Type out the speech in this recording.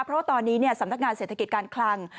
เพราะว่าตอนนี้สำนักงานเศรษฐกิจการคลัง